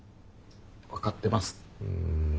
分かってます。